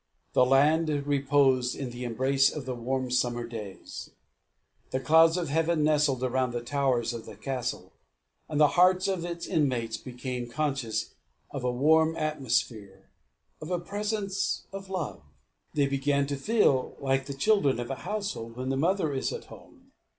The land reposed in the embrace of the warm summer days. The clouds of heaven nestled around the towers of the castle; and the hearts of its inmates became conscious of a warm atmosphere of a presence of love. They began to feel like the children of a household, when the mother is at home.